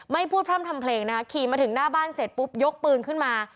ไม่พูดพร่ำทำเพลงนะคะขี่มาถึงหน้าบ้านเสร็จปุ๊บยกปืนขึ้นมา